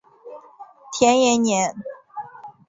田延年。